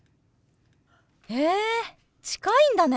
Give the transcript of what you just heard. へえ近いんだね。